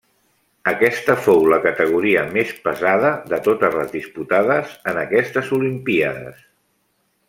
Aquesta fou la categoria més pesada de totes les disputades en aquestes olimpíades.